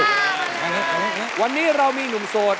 วันนี้เรามีหนุ่มโสด